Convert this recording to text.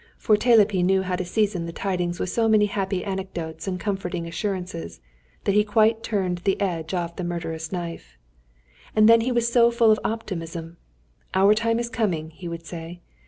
For Telepi knew how to season the tidings with so many happy anecdotes and comforting assurances that he quite turned the edge off the murderous knife. And then he was so full of optimism. "Our time is coming," he would say.